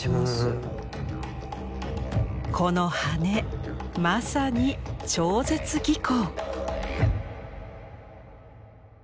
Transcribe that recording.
この羽根まさに超絶技巧。